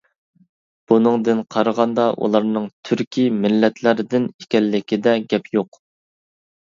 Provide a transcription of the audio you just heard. بۇنىڭدىن قارىغاندا ئۇلارنىڭ تۈركىي مىللەتلەر دىن ئىكەنلىكىدە گەپ يوق.